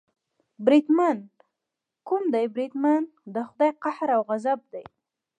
بریدمن، کوم دی بریدمن، د خدای قهر او غضب دې.